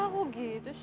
kok gitu sih